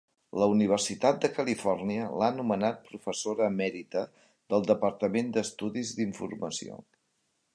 La Universitat de Califòrnia l'ha nomenat Professora Emèrita del departament d'Estudis d'Informació.